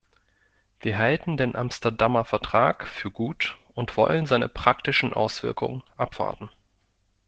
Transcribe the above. Wir halten den Amsterdamer Vertrag für gut und wollen seine praktischen Auswirkungen abwarten.